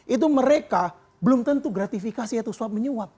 itu mereka belum tentu gratifikasi itu swab menyuap